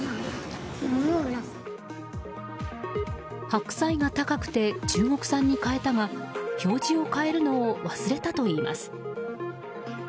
白菜が高くて中国産に変えたが表示を変えるのを忘れたといいます。